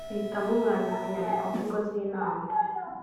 ihitamo umwanditsi inyandikomvugo z inama